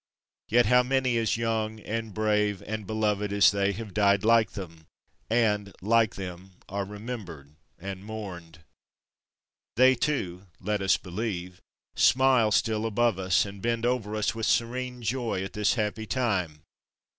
Yet how many as young and brave and beloved as they have died like them, and, like them, are remembered and mourned! They, too, let us believe, smile still above us, and bend over us with serene joy at this happy time.